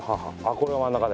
これが真ん中で。